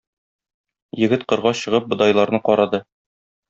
Егет кырга чыгып бодайларны карады.